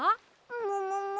ももも？